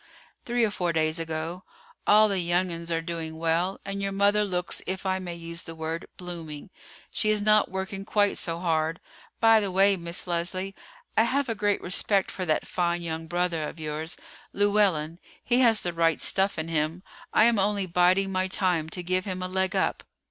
"Three or four days ago. All the young 'uns are doing well, and your mother looks, if I may use the word, blooming. She is not working quite so hard. By the way, Miss Leslie, I have a great respect for that fine young brother of yours, Llewellyn; he has the right stuff in him. I am only biding my time to give him a leg up."